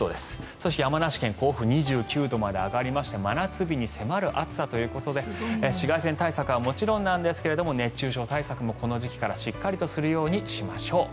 そして、山梨県甲府２９度まで上がりまして真夏日に迫る暑さということで紫外線対策はもちろんですが熱中症対策もこの時期からしっかりとするようにしましょう。